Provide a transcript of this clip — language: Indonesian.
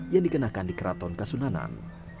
yang dikenakan di keraton kasunanan